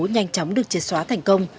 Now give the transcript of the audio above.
nhanh chóng được triệt xóa thành công